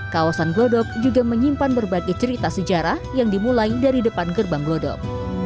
kawasan glodok juga menyimpan berbagai cerita sejarah yang dimulai dari depan gerbang glodok